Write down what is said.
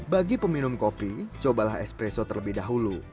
bagi peminum kopi cobalah espresso terlebih dahulu